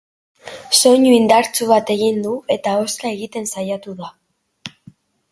Soinu indartsu bat egin du eta hozka egiten saiatu da.